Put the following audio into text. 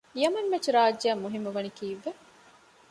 ޔަމަން މެޗު ރާއްޖެ އަށް މުހިއްމުވަނީ ކީއްވެ؟